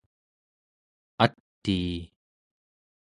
atii